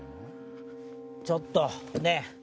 ちょっとねぇ！